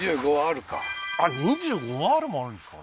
２５ａもあるんですか？